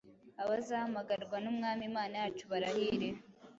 abazahamagarwa n’Umwami Imana yacu barahiriwe..